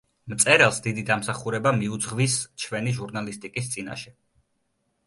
მწერალს დიდი დამსახურება მიუძღვის ჩვენი ჟურნალისტიკის წინაშე.